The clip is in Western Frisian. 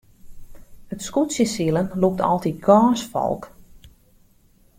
It skûtsjesilen lûkt altyd gâns folk.